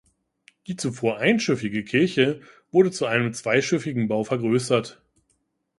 Die zuvor einschiffige Kirche wurde zu einem zweischiffigen Bau vergrößert.